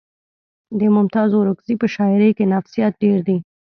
د ممتاز اورکزي په شاعرۍ کې نفسیات ډېر دي